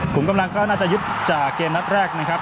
กำลังก็น่าจะยุบจากเกมนัดแรกนะครับ